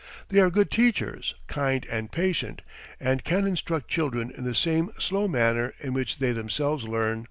They are good teachers, kind and patient, and can instruct children in the same slow manner in which they themselves learn.